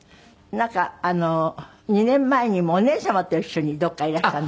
なんか２年前にもお姉様と一緒にどこかいらした。